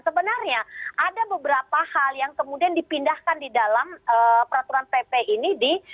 sebenarnya ada beberapa hal yang kemudian dipindahkan di dalam peraturan pp ini di